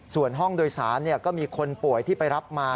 ส่วนห้องโดยสารก็มีคนป่วยที่ไปรับมา